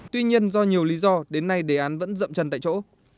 tuy nhiên do nhiều lý do đến nay đề án vẫn rậm chân tại chỗ